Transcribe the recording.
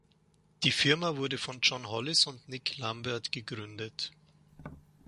Die Firma wurde von John Hollis und Nick Lambert gegründet.